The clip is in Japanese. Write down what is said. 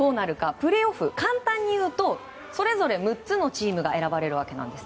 簡単に言うとそれぞれ６つのチームが選ばれるわけです。